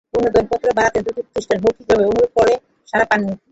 পুনঃ দরপত্রের সময় বাড়াতে দুটি প্রতিষ্ঠান মৌখিকভাবে অনুরোধ করেও সাড়া পায়নি।